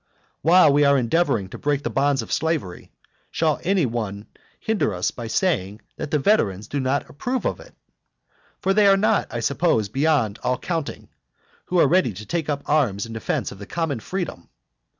While we are endeavouring to break the bonds of slavery, shall any one hinder us by saying that the veterans do not approve of it? For they are not, I suppose, beyond all counting, who are ready to take up arms in defence of the common freedom!